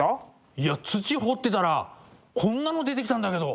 いや土掘ってたらこんなの出てきたんだけど。